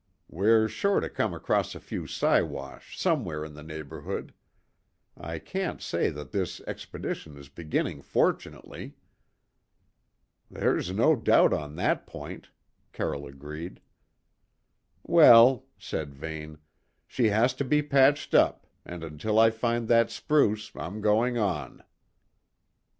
We're sure to come across a few Siwash somewhere in the neighbourhood. I can't say that this expedition is beginning fortunately." "There's no doubt on that point," Carroll agreed. "Well," said Vane, "she has to be patched up, and until I find that spruce I'm going on."